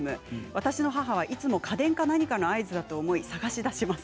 私の母はいつも家電か何かの合図だと思い探し回ります。